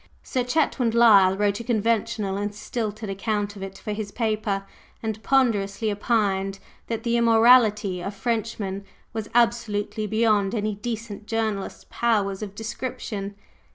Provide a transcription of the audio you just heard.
Sir Chetwynd Lyle wrote a conventional and stilted account of it for his paper, and ponderously opined that the immorality of Frenchmen was absolutely beyond any decent journalist's powers of description.